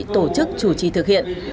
tổ chức chủ trì thực hiện